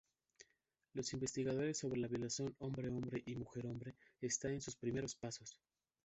Las investigaciones sobre la violación hombre-hombre y mujer-hombre está en sus primeros pasos.